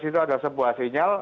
sebenarnya ada sebuah sinyal